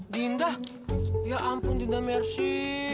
diindah ya ampun dinda mercy